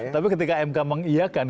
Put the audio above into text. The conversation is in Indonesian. tapi ketika mk mengiakan